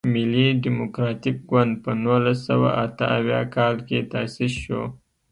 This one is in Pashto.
ملي ډیموکراتیک ګوند په نولس سوه اته اویا کال کې تاسیس شو.